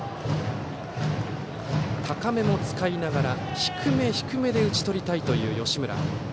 高めも使いながら低め低めに打ち取りたいという吉村。